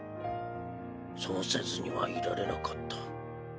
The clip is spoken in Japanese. そうせずにはいられなかった。